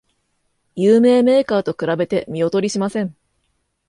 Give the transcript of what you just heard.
有名メーカーと比べて見劣りしません